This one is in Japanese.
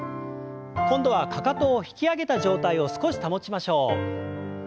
今度はかかとを引き上げた状態を少し保ちましょう。